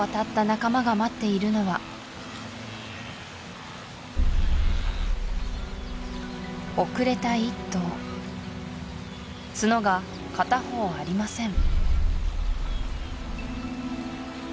仲間が待っているのは遅れた１頭角が片方ありません